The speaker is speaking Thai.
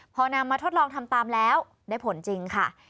พอนำมาทดลองทำตามแล้วได้ผลจริงค่ะ